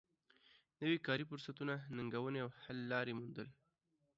نوی کاري فرصتونه ننګونې او حل لارې موندل